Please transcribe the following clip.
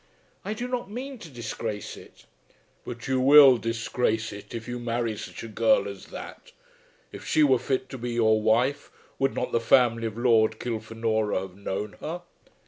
"I do not mean to disgrace it." "But you will disgrace it if you marry such a girl as that. If she were fit to be your wife, would not the family of Lord Kilfenora have known her?"